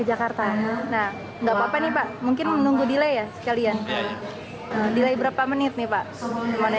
ya paling setengah jam